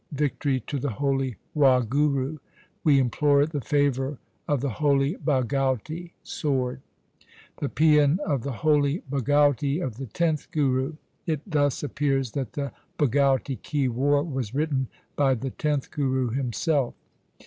Victory to the holy Wahguru ! We implore the favour of the holy Bhagauti (Sword) ! The paean of the holy Bhagauti of the tenth Guru. It thus appears that the Bhagauti ki War was written by the tenth Guru himself.